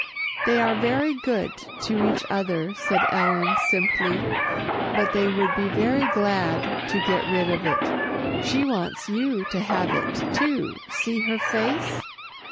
"They are very good to each other," said Ellen simply, "but they would be very glad to get rid of it. She wants you to have it, too. See her face."